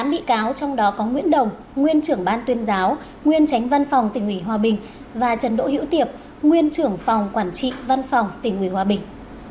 tám bị cáo trong đó có nguyễn đồng nguyên trưởng ban tuyên giáo nguyên tránh văn phòng tỉnh ủy hòa bình và trần đỗ hữu tiệp nguyên trưởng phòng quản trị văn phòng tỉnh ủy hòa bình